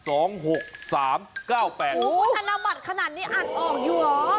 โอ้โหธนบัตรขนาดนี้อ่านออกอยู่เหรอ